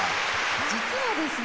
実はですね